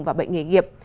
và bệnh nghề nghiệp